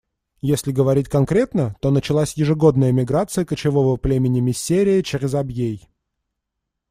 Если говорить конкретно, то началась ежегодная миграция кочевого племени миссерия через Абьей.